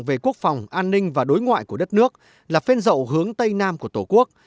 về quốc phòng an ninh và đối ngoại của đất nước là phên dậu hướng tây nam của tổ quốc